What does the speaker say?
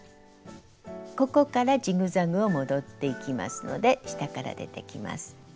ここからジグザグを戻っていきますので下から出てきます。